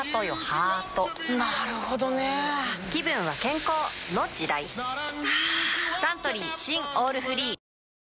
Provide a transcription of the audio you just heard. はぁサントリー新「オールフリー」